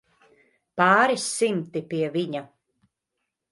Pāris simti, pie viņa.